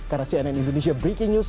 karena cnn indonesia breaking news